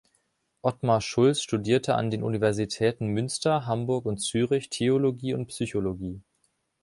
Otmar Schulz studierte an den Universitäten Münster, Hamburg und Zürich Theologie und Psychologie.